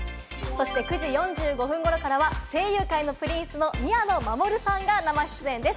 ９時４５分頃からは声優界のプリンス・宮野真守さんが生出演です。